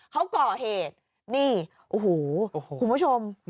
เขาก่อเหตุคุณผู้ชม